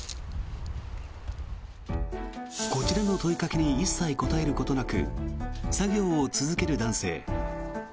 こちらの問いかけに一切答えることなく作業を続ける男性。